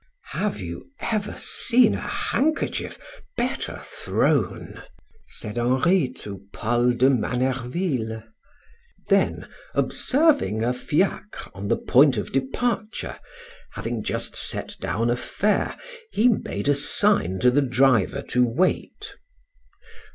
"Have you ever seen a handkerchief better thrown?" said Henri to Paul de Manerville. Then, observing a fiacre on the point of departure, having just set down a fare, he made a sign to the driver to wait.